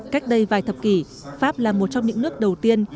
cách đây vài thập kỷ pháp là một trong những nước đầu tiên